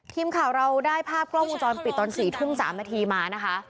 ทีมข่าวเราได้ภาพกล้องวงจรปิดตอน๔ทุ่ม๓นาทีมานะคะ